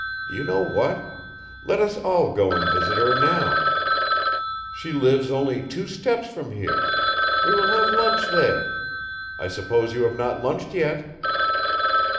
Do you know what? Let us all go and visit her now. She lives only two steps from here ... We will have lunch there. I suppose you have not lunched yet?"